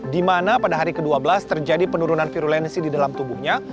di mana pada hari ke dua belas terjadi penurunan virulensi di dalam tubuhnya